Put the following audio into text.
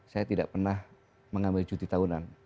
saya tidak pernah mengambil cuti tahunan